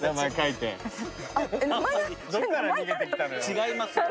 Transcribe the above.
違いますよ。